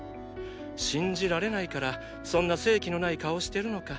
信じられないからそんな生気のない顔してるのか。